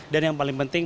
dan yang paling penting